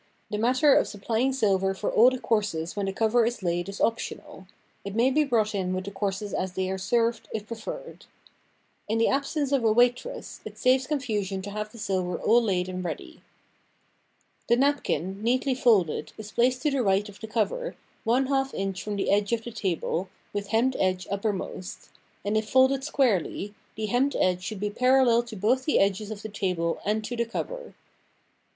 The matter of supplying silver for all the courses when the cover is laid is optional. It may be brought in with the courses as they are served, if preferred. In the absence of a waitress, it saves confusion to have the silver all laid and ready. Attractive Decoration for Table Showing Silver Compotes and Vases — all hand made French — Martele design The napkin, neatly folded, is placed to the right of the cover, one half inch from the edge of the table, with hemmed edge uppermost; and if folded squarely, the hemmed edge should be parallel to both the edges of the table and to the cover.